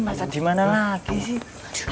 masa di mana lagi sih